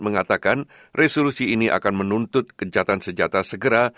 mengatakan resolusi ini akan menuntut kencatan senjata segera